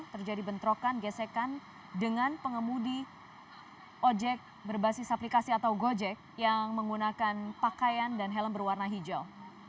terjadi bentrokan gesekan dengan pengemudi ojek berbasis aplikasi atau gojek yang menggunakan pakaian dan helm berwarna hijau